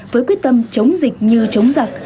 với quyết tâm chống dịch như chống giặc